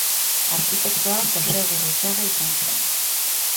Arkitektoa Jose Gurrutxaga izan zen.